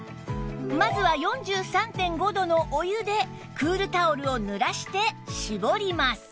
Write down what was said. まずは ４３．５ 度のお湯でクールタオルを濡らして絞ります